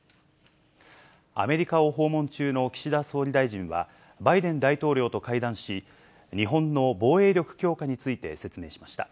アメリカを訪問中の岸田総理大臣は、バイデン大統領と会談し、日本の防衛力強化について説明しました。